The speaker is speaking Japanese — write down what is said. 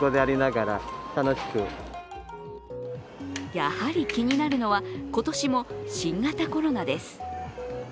やはり気になるのは今年も新型コロナです。